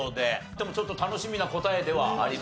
でもちょっと楽しみな答えではありますが。